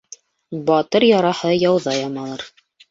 Батыр яраһы яуҙа ямалыр.